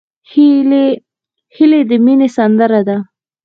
هیلۍ د مینې سندره ده